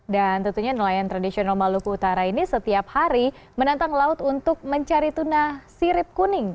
dan tentunya nelayan tradisional maluku utara ini setiap hari menantang laut untuk mencari tuna sirip kuning